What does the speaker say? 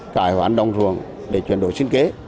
cải hoán đồng ruộng để chuyển đổi sinh kế